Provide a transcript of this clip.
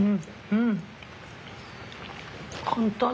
うん。